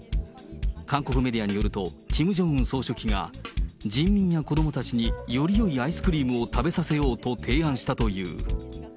韓国メディアによると、キム・ジョンウン総書記が、人民や子どもたちによりよいアイスクリームを食べさせようと提案したという。